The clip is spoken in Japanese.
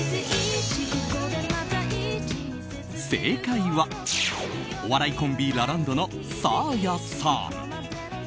正解は、お笑いコンビラランドのサーヤさん。